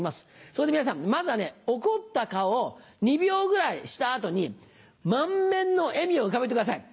そこで皆さんまずはね怒った顔を２秒ぐらいした後に満面の笑みを浮かべてください。